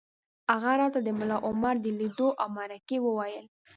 هغه راته د ملا عمر د لیدو او مرکې وویل